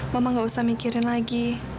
mama tidak usah mikirkan lagi